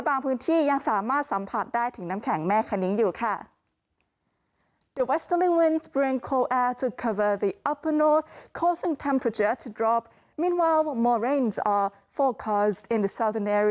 บางพื้นที่ยังสามารถสัมผัสได้ถึงน้ำแข็งแม่คณิ้งอยู่ค่ะ